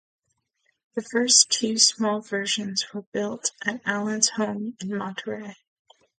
The first two small versions were built at Allen's home in Monterey.